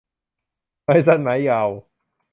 ไม้สั้นไม้ยาว